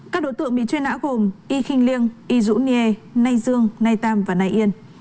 các đối tượng bị truy nã gồm y kinh liêng y dũ nghê nay dương nay tam và nay yên